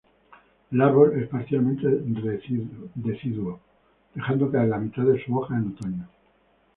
El árbol es parcialmente deciduo, dejando caer la mitad de sus hojas en otoño.